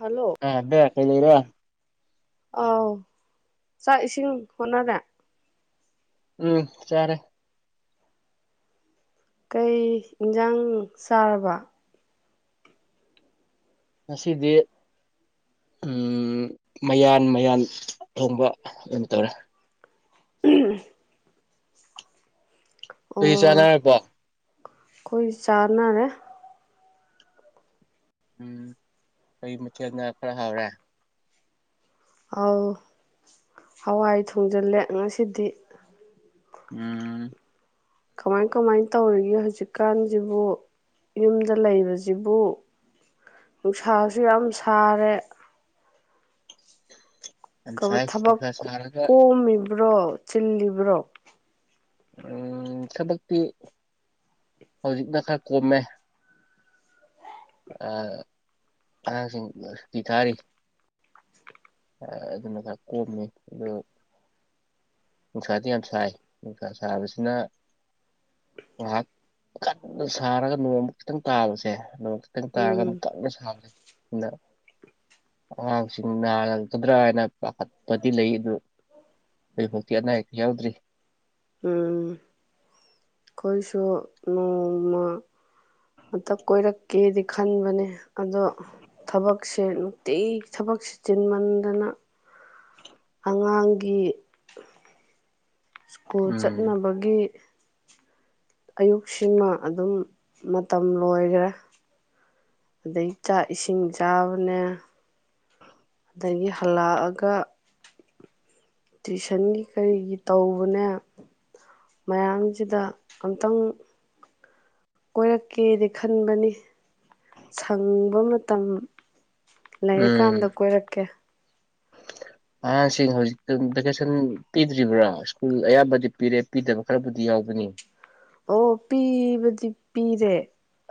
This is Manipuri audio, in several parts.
ꯍꯜꯂꯣ ꯑꯦ ꯕꯦ ꯀꯩ ꯂꯩꯔꯦ ꯑꯥꯎ ꯆꯥꯛ ꯏꯁꯤꯡ ꯍꯣꯠꯅꯔꯦ ꯎꯝ ꯆꯥꯔꯦ ꯀꯩ ꯏꯟꯖꯥꯡ ꯆꯥꯔꯕ ꯉꯁꯤꯗꯤ ꯎꯝ ꯃꯌꯥꯟ ꯃꯌꯥꯟ ꯊꯣꯡꯕ ꯑꯣꯏꯅ ꯇꯧꯔꯦ [unintelligible] ꯇ ꯆꯅꯕꯣ ꯀ ꯆꯥꯅꯔꯦ ꯎꯝ ꯀꯩ ꯃꯊꯦꯜꯅ ꯈꯔ ꯍꯥꯎꯔꯦ ꯑꯥꯎ ꯍꯋꯥꯏ ꯊꯣꯡꯖꯤꯜꯂꯦ ꯉꯁꯤꯗꯤ ꯑꯝ ꯀꯃꯥꯏ ꯀꯃꯥꯏ ꯇꯧꯔꯤꯒꯦ ꯍꯧꯖꯤꯛꯀꯥꯟꯁꯤꯕꯨ ꯌꯨꯝꯗ ꯂꯩꯕꯁꯤꯕꯨ ꯅꯨꯡꯁꯥꯁꯨ ꯌꯥꯝ ꯁꯥꯔꯦ ꯀꯃ ꯉꯁꯥꯏ ꯊꯕ ꯅꯨꯡꯁꯥ ꯁꯥꯔꯒ ꯀꯣꯃꯤ ꯕ꯭ꯔꯣ ꯆꯤꯜꯂꯤꯕ꯭ꯔꯣ ꯊꯕꯛꯇꯤ ꯍꯧꯖꯤꯛꯅ ꯈꯔ ꯀꯣꯝꯃꯦ ꯑ ꯒꯤ ꯊꯥꯔꯤ ꯑꯗꯨꯅ ꯈꯥꯛ ꯀꯣꯝꯃꯤ ꯑꯗꯨ ꯅꯨꯡꯁꯥꯗꯤ ꯌꯥꯝ ꯁꯥꯏ ꯅꯨꯡꯁꯥ ꯁꯥꯕꯁꯤꯅ ꯉꯥꯏꯍꯥꯛ ꯀꯟꯅ ꯁꯥꯔꯒ ꯅꯣꯡꯃ ꯈꯤꯇꯪ ꯇꯥꯕꯁꯦ ꯅꯣꯡꯃ ꯈꯤꯇꯪ ꯇꯥꯔꯒ ꯑꯃꯨꯛ ꯎꯝ ꯀꯟꯅ ꯁꯥꯕꯁꯦ ꯑꯗꯨꯅ ꯑꯉꯥꯡꯁꯤꯡ ꯅꯥꯜꯂꯒ ꯐꯀꯗ꯭ꯔꯥ ꯍꯥꯏꯅ ꯄꯥꯈꯠꯄꯗꯤ ꯂꯩ ꯑꯗꯨ ꯍꯧꯐꯥꯎꯇꯤ ꯑꯅꯥ ꯑꯌꯦꯛ ꯌꯥꯎꯗ꯭ꯔꯤ ꯎꯝ ꯑꯩꯈꯣꯏꯁꯨ ꯅꯣꯡꯃ ꯑꯃꯇ ꯀꯣꯏꯔꯛꯀꯦꯗꯤ ꯈꯟꯕꯅꯦ ꯑꯗꯣ ꯊꯕꯛꯁꯦ ꯅꯨꯡꯇꯤ ꯊꯕꯛꯁꯦ ꯆꯤꯟꯃꯟꯗꯅ ꯑꯉꯥꯡꯒꯤ ꯁ꯭ꯀꯨꯜ ꯎꯝ ꯆꯠꯅꯕꯒꯤ ꯑꯌꯨꯛꯁꯤꯃ ꯑꯗꯨꯝ ꯃꯇꯝ ꯂꯣꯏꯈ꯭ꯔꯦ ꯑꯗꯩ ꯆꯥꯛ ꯏꯁꯤꯡ ꯆꯥꯕꯅꯦ ꯑꯗꯒꯤ ꯍꯜꯂꯛꯑꯒ ꯇꯨꯤꯁꯟꯒꯤ ꯀꯔꯤꯒꯤ ꯇꯧꯕꯅꯦ ꯃꯌꯥꯝꯁꯤꯗ ꯑꯝꯇꯪ ꯀꯣꯏꯔꯛꯀꯦꯗꯤ ꯈꯟꯕꯅꯤ ꯁꯪꯕ ꯃꯇꯝ ꯂꯩꯔꯀꯥꯟꯗ ꯀꯣꯏꯔꯛꯀꯦ ꯑꯍꯥꯡꯁꯤꯡ ꯍꯧꯖꯤꯛꯇ ꯚꯦꯀꯦꯁꯟ ꯄꯤꯗ꯭ꯔꯤꯕ꯭ꯔꯥ ꯁ꯭ꯀꯨꯜ ꯑꯌꯥꯝꯕꯗꯤ ꯄꯤꯔꯦ ꯄꯤꯗꯕ ꯈꯔꯕꯨꯗꯤ ꯌꯥꯎꯒꯅꯤ ꯑꯣ ꯄꯤꯕꯗꯤ ꯄꯤꯔꯦ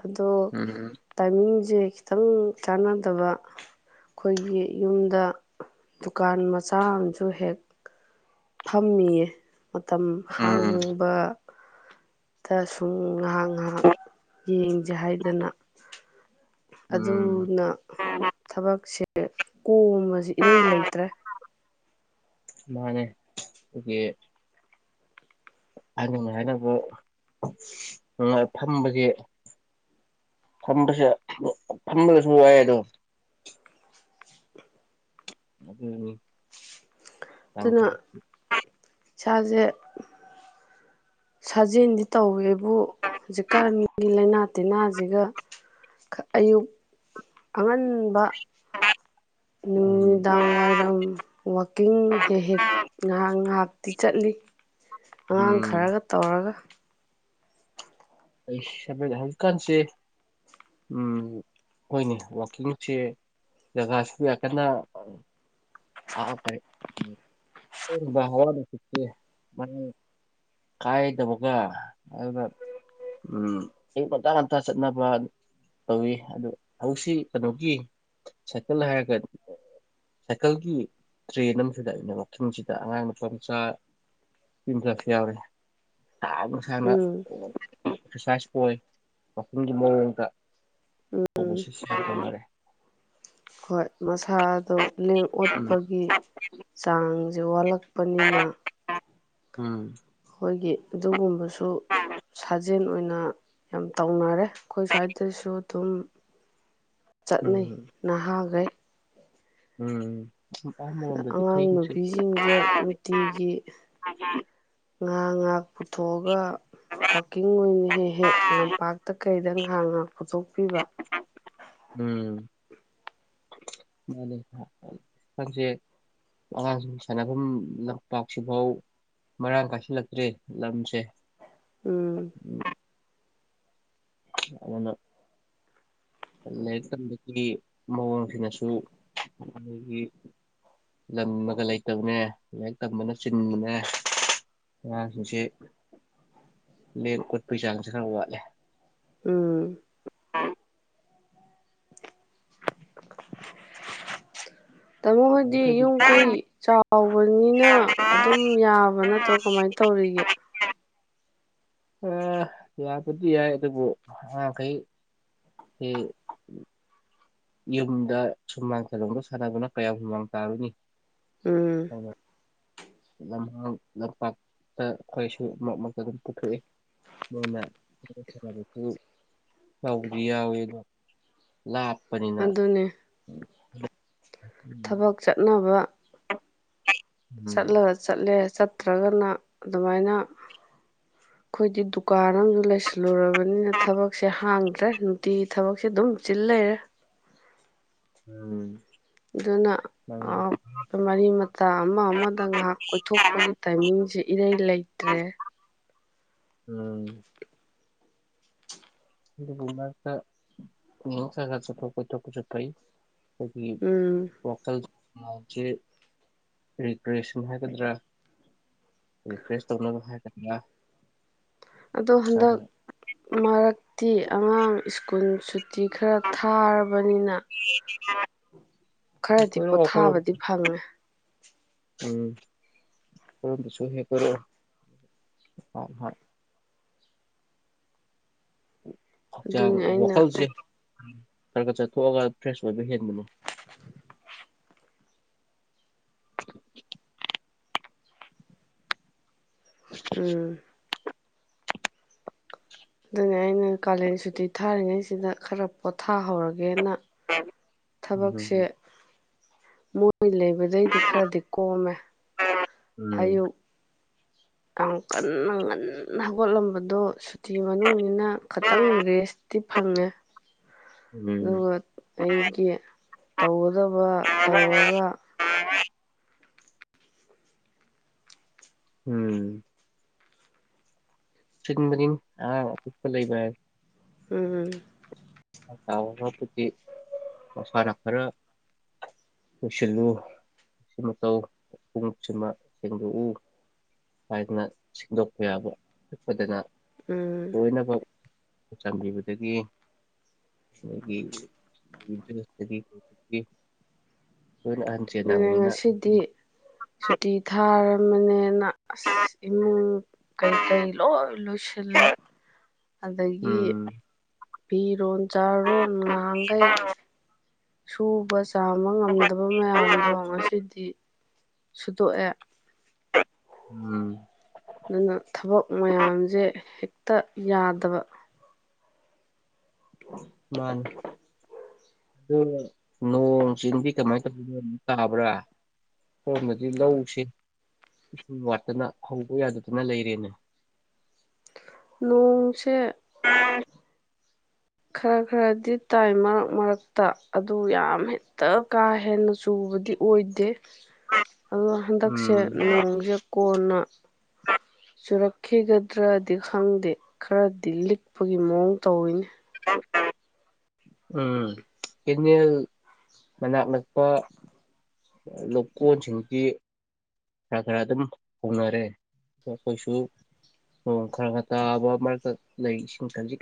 ꯑꯗꯣ ꯎꯝ ꯇꯥꯏꯃꯤꯡꯁꯦ ꯈꯤꯇꯪ ꯆꯥꯟꯅꯗꯕ ꯑꯩꯈꯣꯏꯒꯤ ꯌꯨꯝꯗ ꯗꯨꯀꯥꯟ ꯃꯆꯥ ꯑ ꯑꯃꯁꯨ ꯍꯦꯛ ꯊꯝꯃꯤꯌꯦ ꯃꯇꯝ ꯎꯝ ꯍꯥꯡꯕ ꯗ ꯁꯨꯝ ꯉꯥꯏꯍꯥꯛ ꯉꯥꯏꯍꯥꯛ ꯌꯦꯡꯖꯦ ꯍꯥꯏꯗꯅ ꯎꯝ ꯑꯗꯨꯅ ꯊꯕꯛꯁꯦ ꯀꯣꯝꯕꯁꯤꯦ ꯏꯔꯩ ꯂꯩꯇ꯭ꯔꯦ ꯃꯥꯅꯦ ꯀꯒꯤ ꯍꯥꯏꯅꯤꯡ ꯍꯥꯏꯅꯕꯉꯥꯏ ꯐꯝꯕꯒꯤ ꯐꯝꯕꯁꯦ ꯐꯝꯕꯒꯁꯨ ꯋꯥꯏ ꯑꯗꯣ ꯎꯝ ꯇꯪ ꯑꯗꯨꯅ ꯏꯁꯥꯁꯦ ꯁꯥꯖꯦꯜꯗꯤ ꯇꯧꯋꯦꯕꯨ ꯍꯧꯖꯤꯛꯀꯥꯟꯒꯤ ꯂꯥꯏꯅꯥ ꯇꯤꯟꯅꯥꯁꯤꯒ ꯑꯌꯨꯛ ꯑꯉꯟꯕ ꯎꯝ ꯅꯨꯃꯤꯗꯥꯡ ꯋꯥꯏꯔꯝ ꯋꯥꯛꯀꯤꯡ ꯍꯦꯛ ꯍꯦꯛ ꯉꯥꯏꯍꯥꯛ ꯉꯥꯏꯍꯥꯛ ꯇꯤ ꯆꯠꯂꯤ ꯑꯉꯥꯡ ꯎꯝ ꯈꯔꯒ ꯇꯧꯔꯒ ꯑꯩ ꯍꯧꯖꯤꯛꯀꯥꯟꯁꯦ ꯑꯩꯈꯣꯏꯅꯦ ꯋꯥꯛꯀꯤꯡꯁꯦ ꯖꯒꯥꯁꯤꯕꯨ ꯌꯥꯝ ꯀꯟꯅ ꯕ ꯍꯋꯥ ꯅꯨꯡꯆꯁꯤ ꯃꯔꯥꯡ ꯀꯥꯏꯗꯕꯒ ꯑꯗꯨꯒ ꯏꯌꯪ ꯉꯟꯇꯥ ꯉꯟꯇꯥ ꯆꯠꯅꯕ ꯇꯧꯋꯤ ꯑꯗꯨ ꯍꯧꯖꯤꯛꯁꯤ ꯀꯩꯅꯣꯒꯤ ꯁꯥꯏꯀꯜ ꯍꯥꯏꯔꯒꯗꯤ ꯁꯥꯏꯀꯜ ꯑꯩ ꯇ꯭ꯔꯦꯟ ꯑꯃꯨꯗ ꯑꯩꯅ ꯃꯪꯁꯤꯗ ꯑꯉꯥꯡ ꯅꯨꯄꯥ ꯃꯆꯥ ꯄꯁꯨ ꯌꯥꯎꯔꯤꯦ ꯑ [inaudible] ꯎꯝ ꯑꯦꯛꯁꯔꯁꯥꯏꯁ ꯑꯣꯏ ꯋꯥꯋꯥꯛꯀꯤꯡꯒꯤ ꯃꯑꯣꯡꯗ ꯑꯣꯁ ꯍꯥꯏꯗ ꯃꯥꯔꯦ ꯍꯣꯏ ꯃꯁꯥꯗꯣ ꯂꯦꯡꯉꯛꯑꯣ ꯑꯣꯠꯄꯒꯤ ꯆꯥꯡ ꯖꯣꯜꯛ ꯆꯄꯅꯤꯅ ꯎꯝ ꯑꯩꯈꯣꯏꯒꯤ ꯑꯗꯨꯒꯨꯝꯕꯁꯨ ꯇ ꯁꯖꯤ ꯄꯖꯦꯟ ꯑꯣꯏꯅ ꯌꯥꯝ ꯇꯧꯅꯔꯦ ꯑꯩꯈꯣꯏ ꯁ꯭ꯋꯥꯏꯗꯁꯨ ꯑꯗꯨꯝ ꯆꯠꯅꯩ ꯎꯝ ꯅꯍꯥꯈꯦ ꯎꯝ ꯑ ꯑꯃꯔꯣꯝꯗꯗꯤ ꯐꯩ ꯑꯉꯥꯡ ꯃꯁꯤ ꯅꯨꯨꯕꯤꯁꯤꯡꯁꯦ ꯅꯨꯡꯇꯤꯒꯤ ꯉꯍꯥ ꯉꯥꯛ ꯄꯨꯊꯣꯛꯑꯒ ꯥꯛꯀꯤꯡ ꯑꯣꯏꯅ ꯍꯦꯛ ꯍꯦꯛ ꯂꯝꯄꯥꯛꯇ ꯀꯩꯗ ꯉꯥꯟꯅ ꯄꯨꯊꯣꯛꯄꯤꯕ ꯎꯝ ꯍꯥꯡꯁꯦ ꯑꯉꯥꯡꯁꯤꯡ ꯁꯥꯟꯅꯐꯝ ꯂꯝꯄꯥꯛꯁꯤꯐꯥꯎ ꯃꯔꯥꯡ ꯀꯥꯏꯁꯤꯜꯂꯛꯇ꯭ꯔꯤ ꯂꯝꯁꯦ ꯎꯝ ꯑꯗꯨꯅ ꯂꯥꯏꯔꯤꯛ ꯇꯝꯕꯒꯤ ꯃꯑꯣꯡꯁꯤꯅꯁꯨ ꯑꯩꯣꯏꯒꯤ ꯂꯝꯃꯒ ꯂꯩꯇꯕꯅꯦ ꯂꯥꯏꯔꯤꯛ ꯇꯝꯕꯅ ꯆꯤꯟꯕꯅꯦ ꯑꯉꯥꯡꯁꯤꯡꯁ ꯂꯦꯡ ꯑꯣꯠꯄꯒꯤ ꯆꯥꯡꯁꯦ ꯈꯔ ꯋꯥꯠꯂꯦ ꯎꯝ ꯑ ꯇꯥꯃꯣ ꯍꯣꯏꯗꯤ ꯌꯥꯡꯈꯩꯗꯤ ꯌꯨꯝ ꯀꯩ ꯆꯥꯎꯕꯅꯤꯅ ꯑꯗꯨꯝ ꯌꯥꯕ ꯅꯠꯇ꯭ꯔꯣ ꯀꯃꯥꯏꯅ ꯇꯧꯔꯤꯒꯦ ꯌꯥꯕꯗꯤ ꯌꯥꯏ ꯑꯗꯨꯕꯨ ꯑꯉꯥꯡꯈꯩ ꯁꯤ ꯌꯨꯝꯗ ꯁꯨꯝꯃꯥꯡ ꯁꯦꯂꯣꯡꯗꯣ ꯁꯥꯟꯅꯗꯨꯅ ꯀꯌꯥꯝ ꯍꯨꯃꯥꯡ ꯇꯥꯔꯨꯅꯤ ꯎꯝ ꯑꯗꯨꯅ ꯂꯝꯍꯥꯡ ꯂꯝꯄꯥꯛꯇ ꯑꯩꯈꯋꯥꯣꯏꯁꯨ ꯃꯛ ꯃꯛꯇ ꯑꯗꯨꯝ ꯄꯨꯊꯣꯛꯏ ꯃꯣꯏꯅꯅꯕꯁꯨ ꯇꯧꯕꯗꯤ ꯌꯥꯎꯋꯤ ꯑꯗꯣ ꯂꯥꯞ ꯄꯅꯤꯅ ꯎ ꯑꯗꯨꯅꯦ ꯎꯝ ꯊꯕꯛ ꯆꯠꯅꯕ ꯎꯝ ꯆꯂ ꯆꯂꯦꯦ ꯆꯠꯇ꯭ꯔꯒꯅ ꯑꯗꯨꯃꯥꯏꯅ ꯑꯩꯈꯣꯏꯗꯤ ꯗꯨꯀꯥꯟ ꯑꯃꯁꯨ ꯂꯩꯁꯜꯂꯛ ꯂꯨꯔꯕꯅꯤꯅ ꯊꯕꯛꯁꯦ ꯍꯥꯡꯒ꯭ꯔꯦ ꯠꯇ꯭ꯔꯦ ꯅꯨꯡꯇꯤꯒꯤ ꯊꯕꯛꯁꯦ ꯑꯗꯨꯝ ꯆꯤꯜ ꯂꯩꯔꯦ ꯎꯝ ꯑꯗꯨꯅ ꯅꯪꯗꯤ ꯃꯔꯤ ꯃꯇꯥ ꯑꯃ ꯑꯃꯗ ꯉꯥꯏꯍꯥꯛ ꯀꯣꯏꯊꯣꯛꯄꯒꯤ ꯇꯥꯏꯃꯤꯡꯁꯦ ꯏꯔꯩ ꯂꯩꯇ꯭ꯔꯦ ꯎꯝ ꯆ ꯆꯄ ꯄꯨꯁꯨꯄ ꯑꯩꯈꯣꯏꯒꯤ ꯎꯝ ꯋꯥꯈꯜ ꯃꯥꯏꯟꯁ ꯔꯤꯀ꯭ꯔꯦꯁꯟ ꯍꯥꯏꯒꯗ꯭ꯔꯥ ꯔꯤꯀ꯭ꯔꯦꯁ ꯇꯧꯅꯕ ꯍꯥꯏꯒꯗ꯭ꯔꯥ ꯑꯗꯣ ꯈꯔ ꯍꯟꯗꯛ ꯈꯔ ꯃꯔꯛ ꯍꯧꯛꯇꯤ ꯑꯉꯥꯡ ꯁ꯭ꯀꯨꯜ ꯇꯤ ꯈꯔ ꯊꯥꯔꯕꯅꯤꯅ ꯈꯔꯗꯤ ꯀꯣꯏꯔꯛꯑꯣ ꯑꯩꯈꯣꯏꯔꯣꯝ ꯄꯣꯊꯥꯕꯗꯤ ꯐꯪꯉꯦ ꯎꯝ ꯀꯁꯨ ꯍꯦ ꯑ ꯑꯗꯨꯅꯤ [inaudible] ꯑꯩꯅ ꯋꯥꯈꯜꯁꯦ ꯈꯔ ꯈ ꯆꯠꯊꯣꯛꯑꯒ ꯐ꯭ꯔꯦꯁ ꯑꯣꯏꯕ ꯍꯦꯟꯕꯅꯤ ꯎꯝ ꯑꯗꯨꯅ ꯑꯩꯅ ꯀꯥꯂꯦꯟ ꯁꯨꯇꯤ ꯊꯥꯔꯤꯉꯩꯁꯤꯗ ꯈꯔ ꯄꯣꯊꯥꯍꯧꯔꯒꯦꯅ ꯎꯝ ꯎꯝ ꯊꯕꯛꯁꯦ ꯃꯣꯏ ꯃꯣꯏ ꯂꯩꯕꯗꯩꯗꯤ ꯈꯔꯗꯤ ꯀꯣꯝꯃꯦ ꯎꯝ ꯑꯌꯨꯛ ꯌꯥꯝ ꯀꯟꯅ ꯉꯟꯅ ꯍꯧꯒꯠꯂꯝꯕꯗꯣ ꯁꯨꯇꯤ ꯃꯅꯨꯡꯅ ꯈꯤꯇꯪ ꯔꯦꯁꯇꯤ ꯐꯪꯉꯦ ꯎꯝ ꯑꯗꯨꯒ ꯑꯩꯒꯤ ꯇꯧꯒꯗꯕ ꯇꯧꯔꯒ ꯎꯝ ꯁꯤꯟꯕꯗꯤ ꯑ ꯎꯄ ꯂꯩꯕ ꯎꯝ ꯕꯨꯗꯤ ꯃꯁꯥꯟꯅ ꯈꯔ ꯂꯣꯏꯁꯤꯜꯂꯨ ꯑꯁꯤ ꯃꯇꯧ ꯎꯨꯡꯁꯤꯃ ꯁꯦꯡꯗꯣꯛꯎ ꯍꯥꯏꯗꯅ ꯁꯦꯡꯗꯣꯛꯄ ꯌꯥꯕ ꯑꯗꯨꯅ ꯎꯝ ꯆꯝꯕꯤꯕꯗꯒꯤ [inaudible] ꯑꯦ ꯑꯗꯨꯅ ꯉꯁꯤꯗꯤ ꯁꯨꯇꯤ ꯊꯥꯔꯕ ꯃꯅ ꯑꯁ ꯏꯃ ꯀꯩ ꯀꯩ ꯂꯣꯏ ꯂꯣ ꯁꯤꯜꯂꯦ ꯑꯗꯒꯤ ꯎꯝ ꯐꯤ ꯔꯣꯟ ꯆꯥ ꯔꯣꯟ ꯉꯥꯍꯥꯟꯒꯩ ꯁꯨꯕꯁ ꯆꯥꯕ ꯉꯝꯗꯕ ꯃꯌꯥꯝꯗꯣ ꯉꯁꯤꯗꯤ ꯁꯨꯗꯣ ꯑꯦ ꯎꯝ ꯑꯗꯨꯅ ꯊꯕꯛ ꯃꯌꯥꯝꯁꯦ ꯍꯦꯛꯇ ꯌꯥꯗꯕ ꯃꯥꯅꯤ ꯑꯗꯨ ꯅꯣꯡ ꯆꯤꯡꯗꯤ ꯀꯃꯥꯏꯅ ꯇꯧꯕꯅꯣ ꯇꯥꯕ꯭ꯔꯥ ꯁꯣꯝꯗꯗꯤ ꯂꯧꯁꯤꯦ ꯏꯁꯤꯡ ꯋꯥꯠꯇꯅ ꯍꯧꯕ ꯌꯥꯗꯗꯅ ꯂꯩꯔꯦꯅꯦ ꯅꯣꯡꯁꯦ ꯈꯔ ꯈꯔꯗꯤ ꯇꯥꯏꯝ ꯃꯔꯛ ꯃꯔꯛꯇ ꯑꯗꯨ ꯌꯥꯝ ꯍꯦꯛꯇ ꯀꯥ ꯍꯦꯟꯅ ꯆꯨꯕꯗꯤ ꯑꯣꯏꯗꯦ ꯑꯣ ꯍꯟꯗꯛꯁꯦ ꯎꯝ ꯅꯣꯡꯁꯦ ꯀꯅ ꯆꯨꯔꯛꯈꯤꯒꯗ꯭ꯔꯗꯤ ꯈꯪꯗꯦ ꯈꯔꯗꯤ ꯂꯤꯛꯄꯒꯤ ꯃꯑꯣꯡ ꯇꯧꯋꯤꯅꯦ ꯎꯝ ꯀꯦꯅꯦꯜ ꯃꯅꯥꯛ ꯅꯛꯄ ꯂꯧꯀꯣꯟꯁꯤꯡꯁꯤ ꯈꯔ ꯈꯔ ꯑꯗꯨꯝ ꯍꯧꯅꯔꯦ ꯑ ꯑꯩꯈꯣꯏꯁꯨ ꯅꯣꯡ ꯈꯔ ꯈꯔ ꯇꯥꯕ ꯃꯔꯛꯇ ꯂꯩ ꯏꯁꯤꯡ ꯈꯖꯤꯛ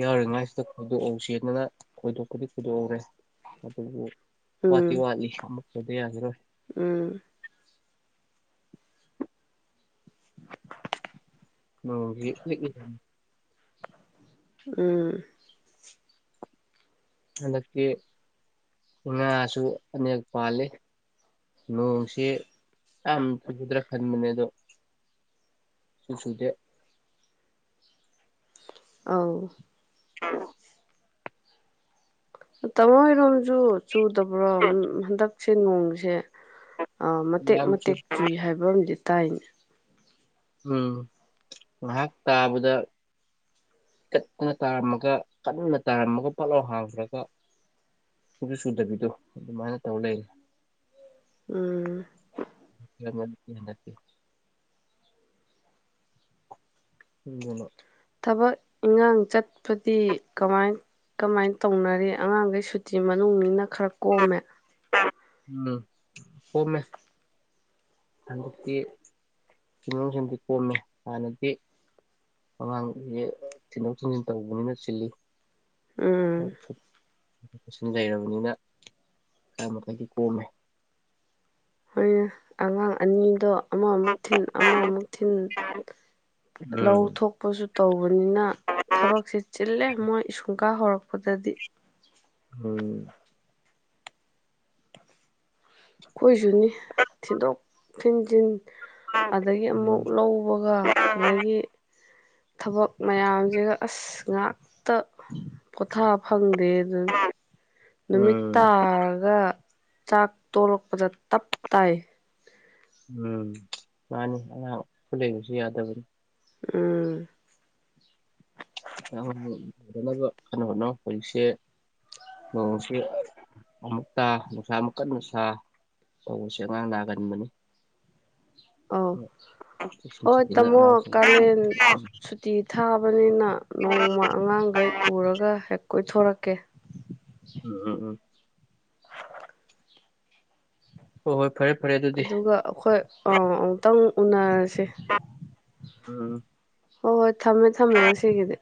ꯌꯥꯎꯔꯤꯉꯥꯏꯁꯤꯗ ꯈꯣꯏꯗꯣꯛꯍꯧ ꯆꯦꯗꯅ ꯈꯣꯏꯗꯣꯛꯄꯗꯤ ꯈꯣꯏꯗꯣꯛꯍꯧꯔꯦ ꯑꯗꯨꯕꯨ ꯎꯝ ꯋꯥꯇꯤ ꯋꯥꯠꯂꯤ ꯑꯃꯨꯛꯛꯇꯗ ꯌꯥꯖꯔꯣꯏ ꯎꯝ ꯅꯣꯡꯁꯤ ꯂꯤꯛꯂꯤ ꯎꯝ ꯍꯟꯗꯛꯛꯇꯀꯤ ꯉꯥꯁꯨ ꯑꯅꯦꯛ ꯄꯥꯜꯂꯤ ꯅꯣꯡꯁꯤ ꯌꯥꯝ ꯆꯨꯗ꯭ꯔꯥ ꯈꯟꯕꯅꯦ ꯑꯗꯣ ꯁꯨ ꯆꯨꯗꯦ ꯑ ꯑ ꯇꯃ ꯔꯝꯖꯨ ꯆꯨꯗꯕ꯭ꯔꯣ ꯍꯟꯗꯛ ꯁꯤ ꯅꯣꯡꯁꯦ ꯑ ꯃꯇꯦꯛ ꯌꯥꯝ ꯆꯨ ꯃꯇꯦꯛ ꯆꯨꯏ ꯍꯥꯏꯕ ꯑꯝ ꯇꯟ ꯎꯝ ꯉꯥꯏꯍꯥꯛ ꯇꯥꯕꯗ ꯀꯠꯇꯅ ꯇꯥꯔꯝꯃꯒ ꯀꯟꯅ ꯇꯥꯔꯝꯃꯒ ꯄꯣꯠꯂꯥꯎ ꯍꯥꯡꯈ꯭ꯔꯒ ꯁꯨ ꯁꯨꯗꯕꯤꯗꯣ ꯑꯗꯨꯃꯥꯏꯅ ꯇꯧ ꯂꯩꯔꯦ ꯎꯝ ꯅꯦ ꯎꯝ ꯊꯕꯛ ꯏꯟꯉꯥꯡ ꯆꯠꯄꯗꯤ ꯀꯃꯥꯏ ꯀꯃꯥꯏꯅ ꯇꯧꯅꯔꯤ ꯑꯉꯥꯡꯈꯩ ꯁꯨꯇꯤ ꯃꯅꯨꯡꯅ ꯈꯔ ꯀꯣꯝꯃꯦ ꯎꯝ ꯑꯣ ꯃ ꯍꯟꯗꯛꯇꯤ ꯁꯤꯤꯟꯡꯂꯣꯡꯁꯤꯡꯗꯤ ꯀꯣꯝꯃꯦ ꯍꯥꯟꯅꯗꯤ ꯑꯉꯥꯡꯁꯦ ꯊꯤꯟꯗꯣꯛ ꯊꯤꯟꯖꯤꯟ ꯇꯧꯕꯅꯤꯅ ꯁꯤꯤꯜꯂꯤ ꯎꯝ ꯂꯩꯔꯕꯅꯤꯅ ꯈꯔ ꯃꯈꯊꯛꯗꯤ ꯀꯣꯝꯃꯦ ꯍꯣꯏ ꯑꯉꯥꯡ ꯑꯅꯤꯗꯣ ꯑꯃꯃꯨꯛ ꯊꯤꯟ ꯑꯃꯃꯨꯛ ꯊꯤꯟ ꯂꯧ ꯎꯝ ꯊꯣꯛꯄꯁꯨ ꯇꯧꯕꯅꯤꯅ ꯊꯕꯛꯁꯦ ꯆꯤꯜꯂꯦ ꯃꯣꯏ ꯏꯁꯨꯡꯀꯥ ꯍꯧꯔꯛꯄꯗꯗꯤ ꯎꯝ ꯀꯣꯏꯁꯨꯅꯤ ꯊꯤꯟꯗꯣꯛ ꯊꯤꯟ ꯊꯤꯟ ꯑꯗꯒꯤ ꯑꯃꯨꯛ ꯎꯝ ꯂꯧꯕꯒ ꯑꯗꯒꯤ ꯊꯕꯛ ꯃꯌꯥꯝꯁꯦꯒ ꯑꯁ ꯉꯥꯛꯇ ꯄꯣꯊꯥ ꯐꯪꯗꯦ ꯑꯗꯨꯅ ꯎꯝ ꯅꯨꯃꯤꯠꯇꯒ ꯆꯥꯛ ꯇꯣꯂꯛꯄꯗ ꯇꯞ ꯇꯥꯏ ꯎꯝ ꯃꯥꯅꯤ ꯑꯉꯥꯡꯄ ꯂꯩꯕꯁꯨ ꯌꯥꯗꯕꯅꯤ ꯎꯝ ꯑꯥꯡꯗꯅꯕ ꯀꯩꯅꯣꯅꯣ ꯍꯧꯖꯤꯛꯁꯦ ꯅꯣꯡꯁꯤ ꯑꯃꯨꯛꯇ ꯅꯨꯡꯁꯥ ꯑꯃꯨꯛꯀꯟ ꯅꯨꯡꯁꯥ ꯇꯧꯕꯁꯦ ꯑꯉꯥꯡ ꯅꯥꯒꯟꯕꯅꯤ ꯑꯧ ꯆꯦꯛꯁꯤꯟ ꯍꯣꯏ ꯆꯦꯛꯁꯤꯟꯅ ꯇꯥꯝꯃꯣ ꯑꯉꯥꯡꯁꯤꯡ ꯀꯥꯂꯦꯟ ꯁꯨꯇꯤ ꯊꯥꯕꯅꯤꯅ ꯅꯣꯡꯃ ꯑꯉꯥꯡꯈꯩ ꯄꯨꯔꯒ ꯍꯦꯛ ꯀꯣꯏꯊꯣꯔꯛꯀꯦ ꯎꯝ ꯎꯝ ꯎꯝ ꯍ‌ꯣ ꯍꯣꯏ ꯐꯔꯦ ꯐꯔꯦ ꯑꯗꯨꯗꯤ ꯑꯗꯨꯒ ꯑꯩꯈꯣꯏ ꯑ ꯈꯤꯇꯪ ꯎꯅꯔ ꯎꯝ ꯍ ꯊꯃꯦ ꯊꯃꯦ ꯁꯤꯦꯒꯗ